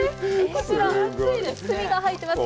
こちら、炭が入っています。